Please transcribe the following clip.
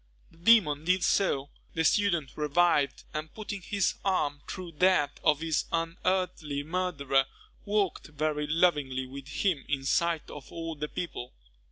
The demon did so; the student revived, and putting his arm through that of his unearthly murderer, walked very lovingly with him in sight of all the people.